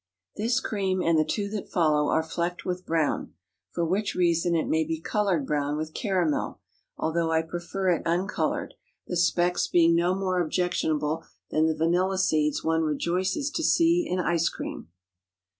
This cream and the two that follow are flecked with brown, for which reason it may be colored brown with caramel, although I prefer it uncolored, the specks being no more objectionable than the vanilla seeds one rejoices to see in ice cream.